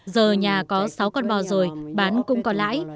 giờ nhà có sáu con bò rồi bán cũng còn lãi